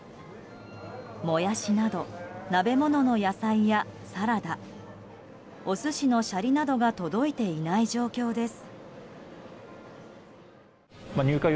モヤシなど、鍋物の野菜やサラダお寿司のしゃりなどが届いていない状況です。